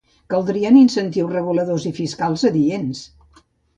Caldrien incentius reguladors i fiscals adients.